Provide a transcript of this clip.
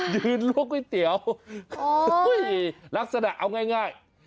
คือยืนลวงก๋วยเตี๋ยวหุ้ยลักษณะเอาง่าย